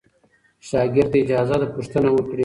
شاګرد ته اجازه ده پوښتنه وکړي.